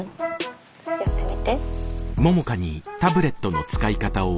やってみて。